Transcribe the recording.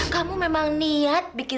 kamu mukanya bete